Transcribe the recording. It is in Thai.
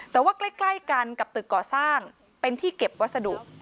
แต่ว่าใกล้กันกับตึกก่อสร้างเป็นที่เก็บวัสดุ